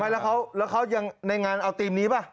แล้วเขายังในงานเอาทีมนี้ป่ะ